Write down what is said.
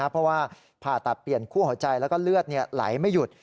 เพราะว่าผ่าตัดเปลี่ยนคั่วหัวใจแล้วก็เลือดไหลไม่หยุด